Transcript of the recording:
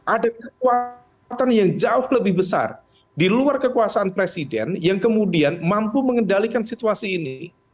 ada kekuatan yang jauh lebih besar di luar kekuasaan presiden yang kemudian mampu mengendalikan situasi ini